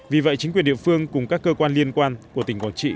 vì vậy chính quyền địa phương cùng các cơ quan liên quan của tỉnh quảng trị